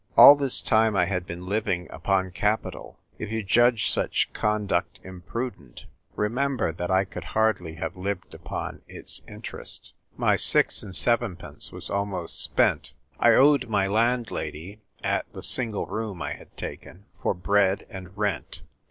All this time I had been living upon Capi tal. If you judge such conduct imprudent, remember that I could hardly have lived upon its interest. My six and sevenpence was almost spent. I owed my landlady (at the single room I had taken) for bread and rent.